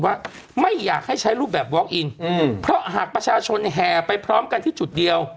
ว่าไม่อยากให้ใช้รูปแบบวอคอินเพราะหากประชาชนแห่ไปพร้อมกันที่จุดเดียว